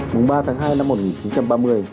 mùng ba tháng hai năm một nghìn chín trăm ba mươi